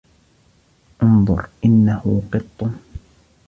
انظر! إنّه قطّ.